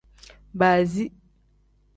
Baazi.